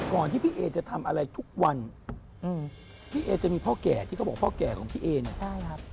ก่อนที่พี่เอ๋จะทำอะไรทุกวันพี่เอ๋จะมีพ่อแก่ที่เขาบอกพ่อแก่ของพี่เอ๋เนี่ย